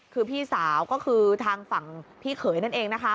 คือพี่สาวก็คือทางฝั่งพี่เขยนั่นเองนะคะ